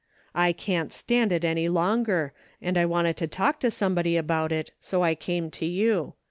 I can't stand it any longer, and I wanted to talk to somebody about it, so I came to you.